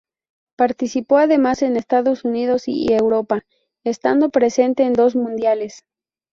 Participó además en Estados Unidos y Europa, estando presente en dos mundiales.